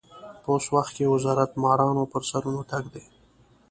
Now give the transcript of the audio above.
په اوس وخت کې وزارت مارانو پر سرونو تګ دی.